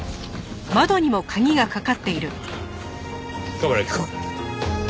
冠城くん。